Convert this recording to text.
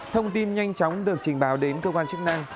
thông tin nhanh chóng được trình báo đến cơ quan chức năng